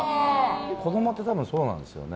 子供ってでも、そうなんですよね。